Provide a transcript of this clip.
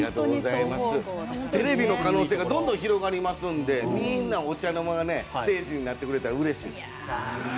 テレビの可能性がどんどん広がりますんでみんなお茶の間がステージになってくれたらうれしいです。